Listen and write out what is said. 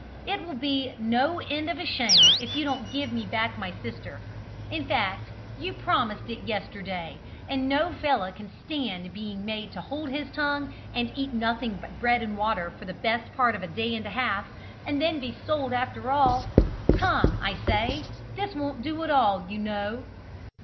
It will be no end of a shame if you don't give me back my sister. In fact, you promised it yesterday; and no fellow can stand being made to hold his tongue and eat nothing but bread and water for the best part of a day and a half, and then be sold after all. Come! I say! this won't do at all, you know!"